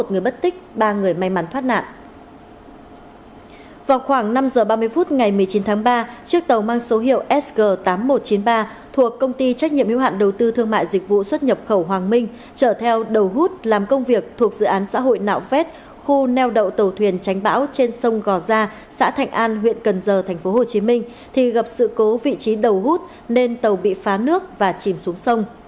trước ngày một mươi chín tháng ba chiếc tàu mang số hiệu sg tám nghìn một trăm chín mươi ba thuộc công ty trách nhiệm yếu hạn đầu tư thương mại dịch vụ xuất nhập khẩu hoàng minh trở theo đầu hút làm công việc thuộc dự án xã hội nạo phét khu neo đậu tàu thuyền tránh bão trên sông gò gia xã thạnh an huyện cần giờ tp hcm thì gặp sự cố vị trí đầu hút nên tàu bị phá nước và chìm xuống sông